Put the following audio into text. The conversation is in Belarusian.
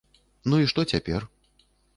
Ну і што цяпер?